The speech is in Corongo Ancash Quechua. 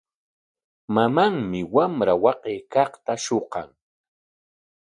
Mamanmi wamra waqaykaqta shuqan.